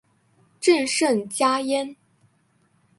朕甚嘉焉。